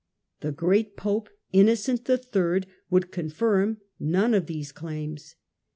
The great Pope Innocent III. would confirm none of these claims.